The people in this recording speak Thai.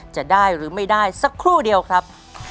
จะได้หรือไม่ได้สักครู่เดียวครับ